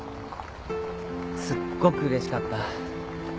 すっごくうれしかった。